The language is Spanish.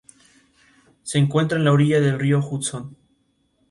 Se encuentra a la orilla del río Hudson.